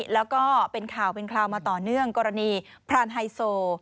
แล้วก็เป็นข่าวเป็นคราวมาต่อเนื่องกรณีพรานไฮโซ